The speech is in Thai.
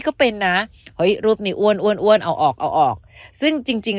ก็เป็นนะเฮ้ยรูปนี้อ้วนอ้วนอ้วนเอาออกเอาออกซึ่งจริงจริง